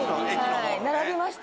並びました